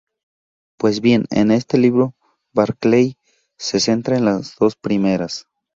Pues bien, en este libro, Barkley se centra en las dos primeras.